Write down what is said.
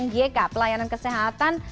gieka pelayanan kesehatan